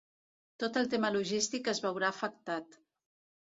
Tot el tema logístic es veurà afectat.